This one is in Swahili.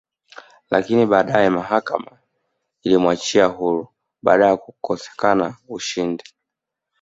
Lakini baadea mahakama ilimwachia huru baada ya kukosekana ushahidi